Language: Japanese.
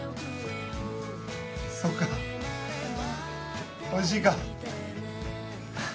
そうかおいしいか！